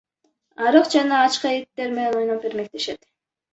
Арык жана ачка иттер менен ойноп эрмектешет.